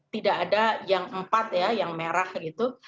tidak ada yang empat ya yang merah gitu